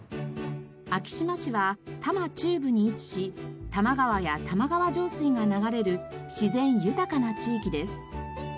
昭島市は多摩中部に位置し多摩川や玉川上水が流れる自然豊かな地域です。